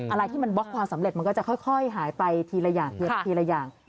อะไรที่มันบล็อกความสำเร็จมันก็จะค่อยหายไปทีละอย่างทีละอย่าง